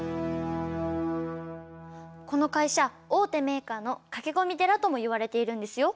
この会社大手メーカーの駆け込み寺ともいわれているんですよ。